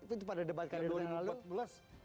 itu pada debatkan di tahun lalu